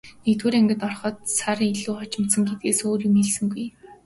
Нэгдүгээр ангид ороход сар илүү хожимдсон гэдгээс өөр юм хэлсэнгүй.